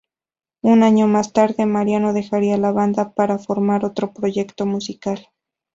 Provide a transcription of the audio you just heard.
Un año más tarde, Mariano dejaría la banda para formar otro proyecto musical.